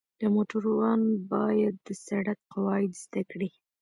د موټروان باید د سړک قواعد زده کړي.